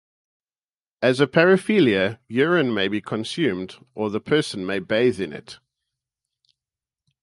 As a paraphilia, urine may be consumed or the person may bathe in it.